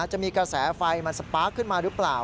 จะมีกระแสไฟมันสปาร์คขึ้นมาหรือเปล่า